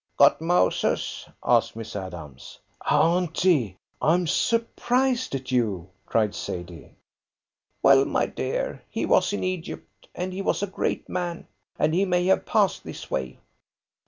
"Got Moses?" asked Miss Adams. "Auntie, I'm surprised at you!" cried Sadie. "Well, my dear, he was in Egypt, and he was a great man, and he may have passed this way."